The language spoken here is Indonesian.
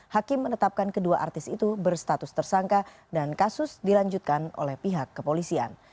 hakim menetapkan kedua artis itu berstatus tersangka dan kasus dilanjutkan oleh pihak kepolisian